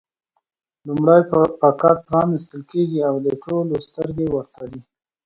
لومړی پاکټ پرانېستل کېږي او د ټولو سترګې ورته دي.